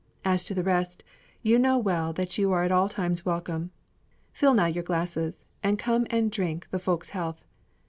As to the rest, you know well that you are at all times welcome. Fill now your glasses, and come and drink the folks' health.